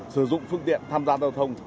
sử dụng phương tiện tham gia giao thông